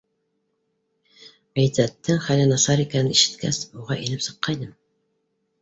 Ғиззәттең хәле насар икәнен ишеткәс, уға инеп сыҡҡайным.